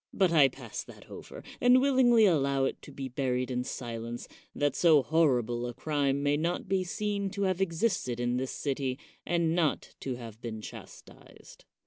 But I pass that over, and willingly allow it to be buried in silence, that so horrible a crime may not be seen to have existed in this city, and not to have been chastised.